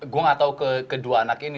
gue gak tau ke kedua anak ini